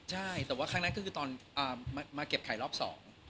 ใช่แต่ว่าครั้งนั้นก็คือตอนมาเก็บไข่รอบสอง